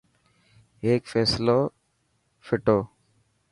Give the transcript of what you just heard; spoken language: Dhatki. هيڪ فيصلي ڦوٽو.